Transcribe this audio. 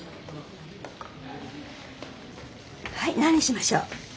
はい何にしましょう。